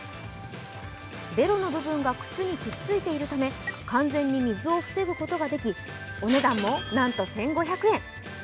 ベロの部分が靴にくっついているため完全に水を防ぐことができ、お値段も、なんと１５００円。